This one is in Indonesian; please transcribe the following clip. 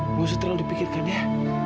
nggak usah terlalu dipikirkan ya